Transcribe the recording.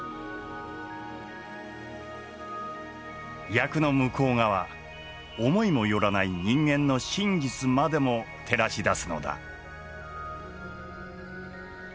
役の向こう側思いも寄らない人間の真実までも照らし出すのだ。